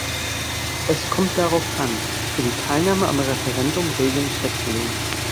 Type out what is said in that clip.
Es kommt darauf an, für die Teilnahme am Referendum Regeln festzulegen.